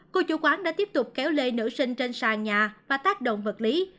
cô chủ quán đã tiếp tục kéo lê nữ sinh trên sàn nhà và tác động vật lý